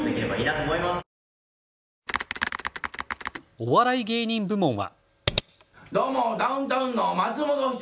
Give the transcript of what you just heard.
お笑い芸人部門は。